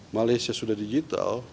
malaysia sudah digital